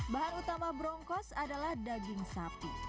bahan utama broncos adalah daging sapi